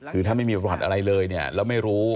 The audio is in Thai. ถือถ้าไม่มีบัตรอะไรเลยแล้วไม่รู้